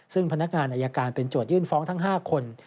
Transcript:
ซึ่งพนักงานอายการเป็นโจทยื่นฟ้องทั้ง๕คน